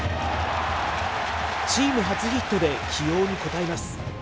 チーム初ヒットで起用に応えます。